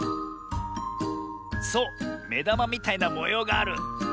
そうめだまみたいなもようがある。